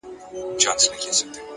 پرمختګ د ثبات او هڅې ګډه مېوه ده؛